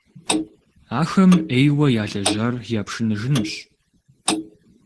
Ахэм Ӏейуэ ялэжьар япшыныжынущ.